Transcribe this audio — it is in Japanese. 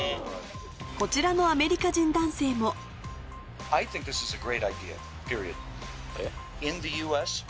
こちらのアメリカ人男性も英語